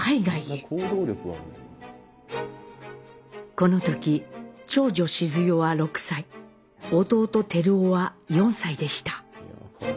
この時長女シズヨは６歳弟輝雄は４歳でした。